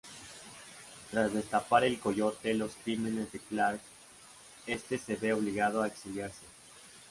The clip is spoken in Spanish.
Tras destapar El Coyote los crímenes de Clarke, este se ve obligado a exiliarse.